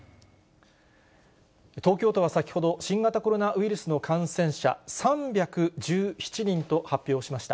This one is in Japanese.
東京都は先ほど、新型コロナウイルスの感染者、３１７人と発表しました。